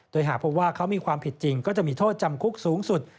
โดยหากพบว่าเขามีความผิดจริงก็จะมีโทษจำคุกสูงสุด